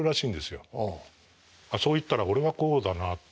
そう言ったら俺はこうだなあって。